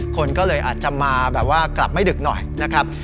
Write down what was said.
คนก็เลยอาจจะมาแบบว่ากลับไม่ดึกหน่อยนะครับ